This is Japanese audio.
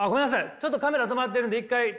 ちょっとカメラ止まってるんで一回中断します。